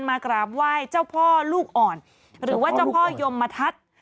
มากราบไหว้เจ้าพ่อลูกอ่อนหรือว่าเจ้าพ่อยมทัศน์